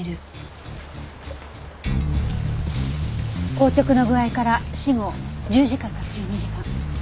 硬直の具合から死後１０時間から１２時間。